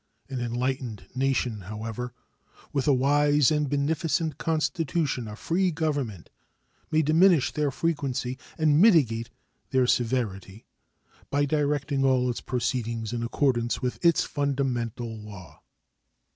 An enlightened nation, however, with a wise and beneficent constitution of free government, may diminish their frequency and mitigate their severity by directing all its proceedings in accordance with its fundamental law.